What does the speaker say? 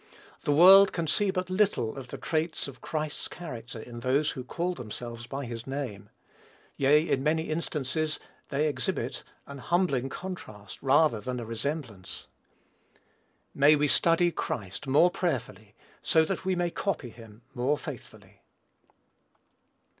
The world can see but little of the traits of Christ's character in those who call themselves by his name; yea, in many instances they exhibit an humbling contrast, rather than a resemblance. May we study Christ more prayerfully, that so we may copy him more faithfully.